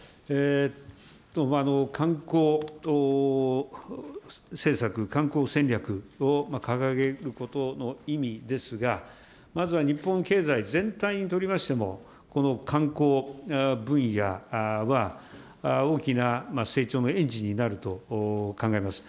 観光政策、観光戦略を掲げることの意味ですが、まずは日本経済全体にとりましても、この観光分野は大きな成長のエンジンになると考えます。